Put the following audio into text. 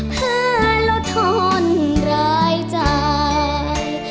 เพื่อลดทนรายจ่าย